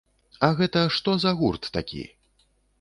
А гэта што за гурт такі?